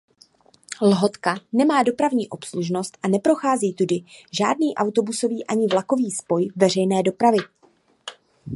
Lhotka nemá dopravní obslužnost a neprochází tudy žádný autobusový ani vlakový spoj veřejné dopravy.